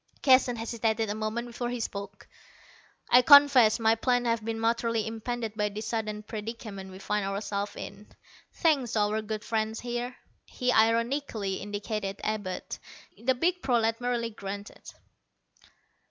Keston hesitated a moment before he spoke. "I confess my plans have been materially impeded by this sudden predicament we find ourselves in, thanks to our good friend here." He ironically indicated Abud. The big prolat merely grunted.